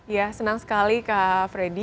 ya senang sekali kak freddy